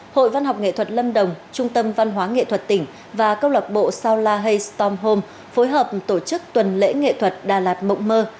hội văn học nghệ thuật lâm đồng trung tâm văn hóa nghệ thuật tỉnh và câu lạc bộ sao la hei stom home phối hợp tổ chức tuần lễ nghệ thuật đà lạt mộng mơ